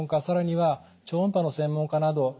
更には超音波の専門家など